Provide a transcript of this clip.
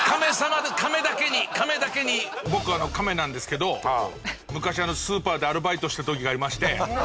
僕カメなんですけど昔スーパーでアルバイトした時がありまして。